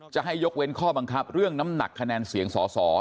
จะให้ยกเว้นข้อบังคับเรื่องน้ำหนักคะแนนเสียงสอสอ